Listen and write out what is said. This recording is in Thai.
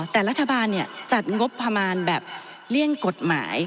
แต่รัฐบาลจัดงบประมาณแบบเลี่ยงกฎหมาย